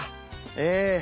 ええ。